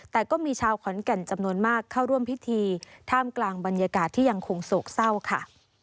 แต่ก็มีชาวขอนแก่นจำนวนมากเข้าร่วมพิธีท่ามกลางบรรยากาศที่ยังคงโศกเศร้าค่ะ